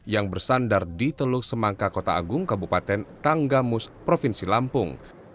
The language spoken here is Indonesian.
yang bersandar di teluk semangka kota agung kabupaten tanggamus provinsi lampung